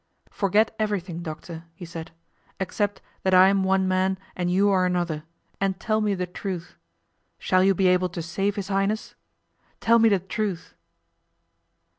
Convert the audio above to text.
'Forget everything, doctor,' he said, 'except that I am one man and you are another, and tell me the truth. Shall you be able to save his Highness? Tell me the truth.